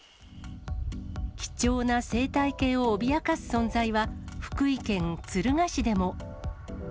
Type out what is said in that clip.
貴重な生態系を脅かす存在は、福井県敦賀市でも。